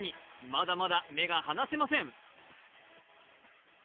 まだまだ目が離せません。